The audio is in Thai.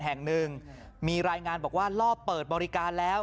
แห่งหนึ่งมีรายงานบอกว่ารอบเปิดบริการแล้ว